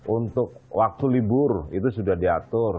untuk waktu libur itu sudah diatur